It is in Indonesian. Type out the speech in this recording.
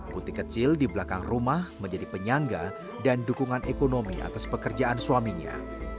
putih kecil di belakang rumah menjadi penyangga dan dukungan ekonomi atas pekerjaan suaminya